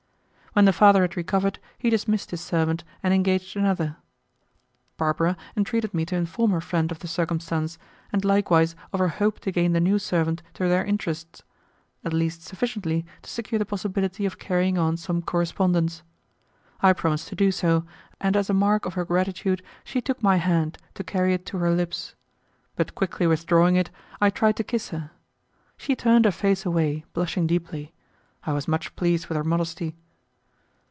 When the father had recovered he dismissed his servant and engaged another. Barbara entreated me to inform her friend of the circumstance, and likewise of her hope to gain the new servant to their interests, at least sufficiently to secure the possibility of carrying on some correspondence. I promised to do so, and as a mark of her gratitude she took my hand to carry it to her lips, but quickly withdrawing it I tried to kiss her; she turned her face away, blushing deeply. I was much pleased with her modesty.